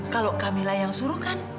kalau kamilah yang suruh kan